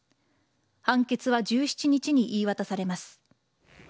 判決は１７日に言い渡されます。